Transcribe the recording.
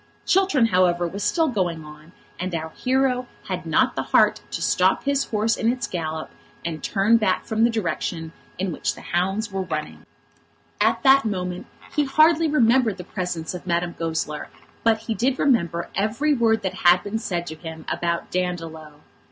Chiltern, however, was still going on, and our hero had not the heart to stop his horse in its gallop and turn back from the direction in which the hounds were running. At that moment he hardly remembered the presence of Madame Goesler, but he did remember every word that had been said to him about Dandolo.